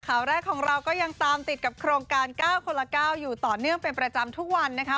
ข่าวแรกของเราก็ยังตามติดกับโครงการ๙คนละ๙อยู่ต่อเนื่องเป็นประจำทุกวันนะคะ